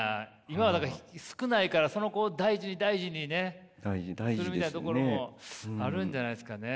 今は少ないからその子を大事に大事にねするみたいなところもあるんじゃないんですかね。